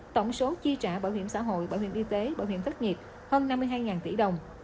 tổng số chi trả bảo hiểm xã hội bảo hiểm y tế bảo hiểm thất nghiệp hơn năm mươi hai tỷ đồng